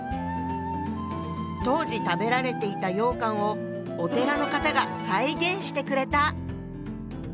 当時食べられていた羊羹をお寺の方が再現してくれた。